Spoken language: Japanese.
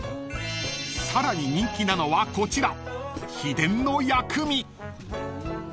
［さらに人気なのはこちら］